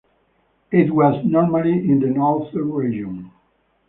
It was formally in the Northern region.